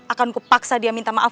akanku paksa dia minta maaf